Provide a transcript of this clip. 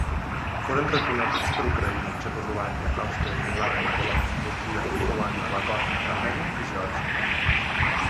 Foren reconeguts per Ucraïna, Txecoslovàquia, Àustria, Finlàndia, Polònia, Turquia, Lituània, Letònia, Armènia i Geòrgia.